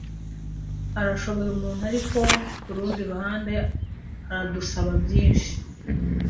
Arashoboye umuntu, ariko kurundi ruhande aradusaba byinshi.